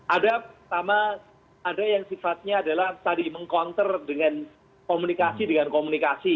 ada yang sifatnya adalah tadi meng counter dengan komunikasi komunikasi